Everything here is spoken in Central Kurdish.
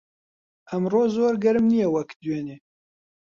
ئەمڕۆ زۆر گەرم نییە وەک دوێنێ.